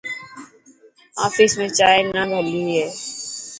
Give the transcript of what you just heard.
آفيس ۾ چائنا ڀلي هي.